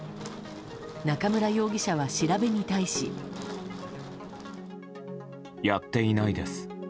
中村容疑者は調べに対し。やっていないです。